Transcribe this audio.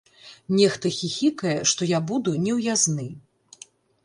Нехта хіхікае, што я буду неўязны.